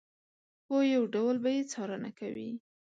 په یو ډول به یې څارنه کوي.